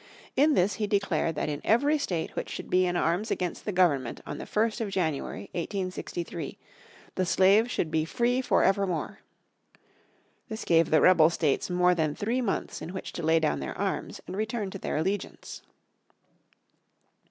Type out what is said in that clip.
In this he declared that in every state which should be in arms against the Government on the 1st of January, 1863, the slaves should be free forever more. This gave the rebel states more than three months in which to lay down their arms and return to their allegiance.